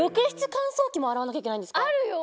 あるよ！